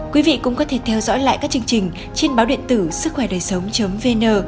quý vị cũng có thể theo dõi lại các chương trình trên báo điện tử sứckhoaidờisống vn